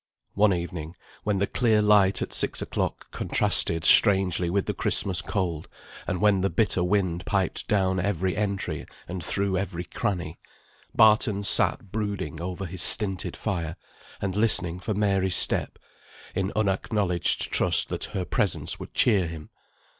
One evening, when the clear light at six o'clock contrasted strangely with the Christmas cold, and when the bitter wind piped down every entry, and through every cranny, Barton sat brooding over his stinted fire, and listening for Mary's step, in unacknowledged trust that her presence would cheer him.